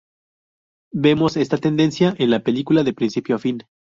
Vemos esta tendencia en la película de principio a fin.